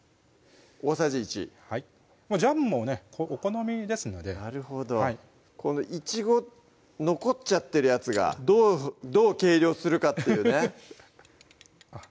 大さじ１はいジャムもねお好みですのでなるほどいちご残っちゃってるやつがどう計量するかっていうねあっ